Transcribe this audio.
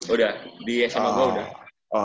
udah di sma gua udah